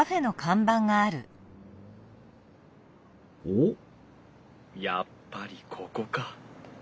おっやっぱりここか。